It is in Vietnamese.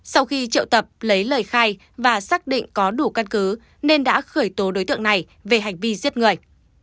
sau khi triệu tập lấy lời khai và xác định có đủ căn cứ nên đã khởi tố đối tượng này về hành vi giết người